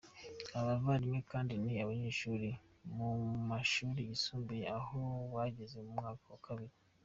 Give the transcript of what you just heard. Aba bavandimwe kandi ni abanyeshuli mu mashuri yisumbuye, aho bageze mu mwaka wa kabiri.